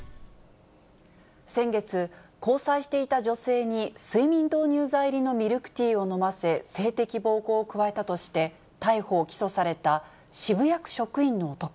先月、交際していた女性に睡眠導入剤入りのミルクティーを飲ませ、性的暴行を加えたとして、逮捕・起訴された渋谷区職員の男。